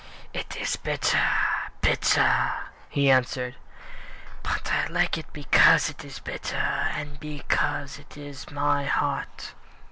"It is bitter bitter," he answered; "But I like it Because it is bitter, And because it is my heart."